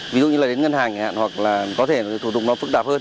ví dụ như là đến ngân hàng hoặc là có thể là thủ tục nó phức tạp hơn